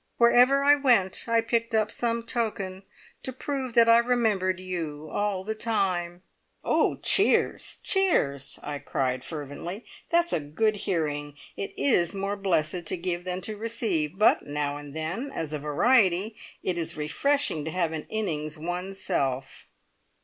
Wherever I went, I picked up some token to prove that I remembered you all the time." "Oh! cheers! cheers!" I cried fervently. "That's a good hearing! It is more blessed to give than to receive, but now and then, as a variety, it is refreshing to have an innings one's self!"